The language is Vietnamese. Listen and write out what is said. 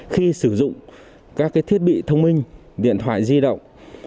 khi sử dụng các thiết bị thông minh điện thoại di động